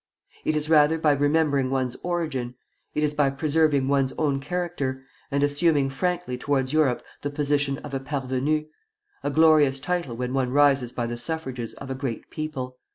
It is rather by remembering one's origin; it is by preserving one's own character, and assuming frankly towards Europe the position of a parvenu, a glorious title when one rises by the suffrages of a great people.